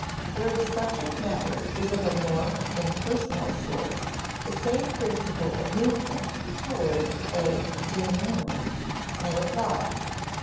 Where the subject matter is of a more impersonal sort, the same principle of movement toward a dénouement may apply.